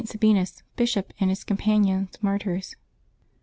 SABINUS, Bishop, and his Companions, Martyrs.